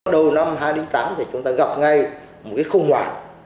đầu năm hai nghìn tám thì chúng ta gặp ngay một cái khủng hoảng